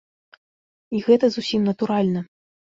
І гэта зусім натуральна.